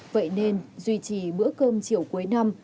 vậy nên duy trì bữa cơm chiều cuối năm